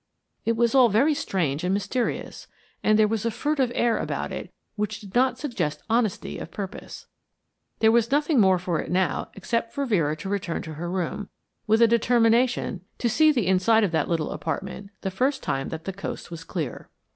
It was all very strange and mysterious, and there was a furtive air about it which did not suggest honesty of purpose. There was nothing more for it now except for Vera to return to her room, with a determination to see the inside of that little apartment the first time that the coast was clear.